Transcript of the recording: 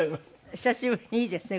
久しぶりにいいですね